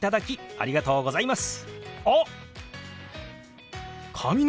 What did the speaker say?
ありがとうございます。